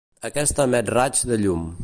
Aquesta emet raigs de llum.